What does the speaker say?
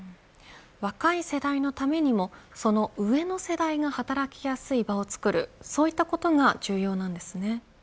若い世代のためにもその上の世代が働きやすい場を作るそういったことが重要なんですね。